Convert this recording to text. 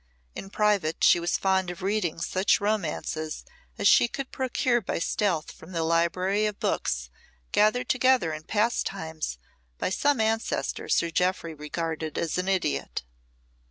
In private she was fond of reading such romances as she could procure by stealth from the library of books gathered together in past times by some ancestor Sir Jeoffry regarded as an idiot.